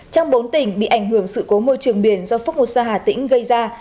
trong bốn tỉnh bị ảnh hưởng sự cố môi trường biển do phúc mô sa hà tĩnh gây ra